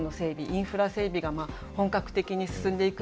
インフラ整備が本格的に進んでいくんですけれども。